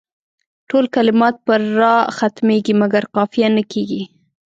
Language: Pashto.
ټول کلمات پر راء ختمیږي مګر قافیه نه کیږي.